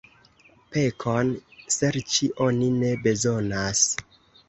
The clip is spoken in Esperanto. Pekon serĉi oni ne bezonas.